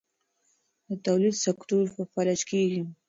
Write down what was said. د تولید سکتور فلج کېږي.